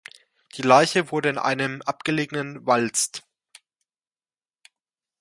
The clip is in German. Die Leiche wurde in einem abgelegenen Waldst